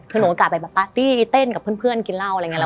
คือหนูโอกาสไปแบบปาร์ตี้เต้นกับเพื่อนกินเหล้าอะไรอย่างนี้